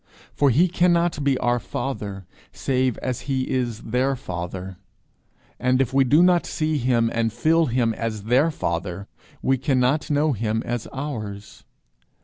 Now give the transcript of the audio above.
For he cannot be our father save as he is their father; and if we do not see him and feel him as their father, we cannot know him as ours.